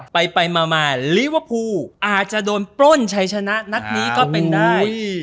ไปมาลิเวอร์พูลอาจจะโดนปล้นชัยชนะนัดนี้ก็เป็นได้